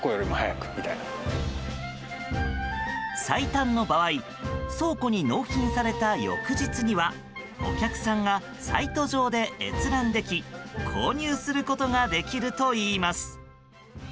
最短の場合倉庫に納品された翌日にはお客さんがサイト上で閲覧でき購入することができるといいます。